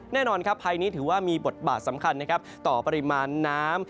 แน่นอนภายนี้ถือว่ามีบทบาทสำคัญต่อปริมาณน้ำ